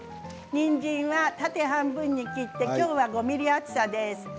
にんじんは縦半分に切って今日は５ｍｍ厚さです。